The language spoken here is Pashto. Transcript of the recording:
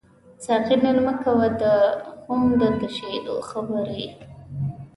ساقي نن مه کوه د خُم د تشیدو خبري